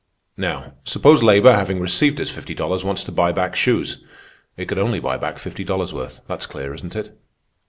"Now, suppose labor, having received its fifty dollars, wanted to buy back shoes. It could only buy back fifty dollars' worth. That's clear, isn't it?